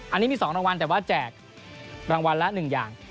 อันนี้มี๒รางวัลแต่ว่าแจกรางวัลละ๑อย่าง